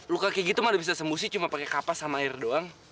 lo kakek gitu mah udah bisa sembusi cuma pake kapas sama air doang